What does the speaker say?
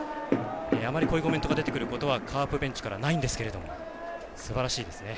あまり、こういうコメントが出てくることはカープベンチからないんですがすばらしいですね。